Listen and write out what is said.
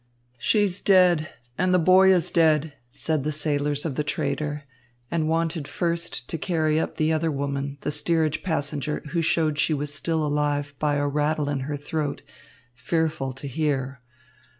"She's dead, and the boy is dead," said the sailors of the trader, and wanted first to carry up the other woman, the steerage passenger, who showed she was still alive by a rattle in her throat, fearful to hear.